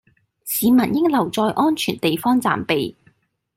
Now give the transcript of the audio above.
市民應留在安全地方暫避